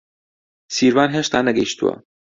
سیروان هێشتا نەگەیشتووە.